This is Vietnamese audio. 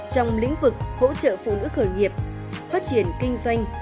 trong lĩnh vực hỗ trợ phụ nữ khởi nghiệp phát triển kinh doanh